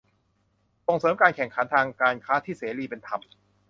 ส่งเสริมการแข่งขันทางการค้าที่เสรี เป็นธรรม